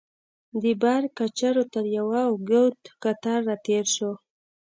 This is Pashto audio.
د بار کچرو تر یوه اوږد قطار راتېر شوو.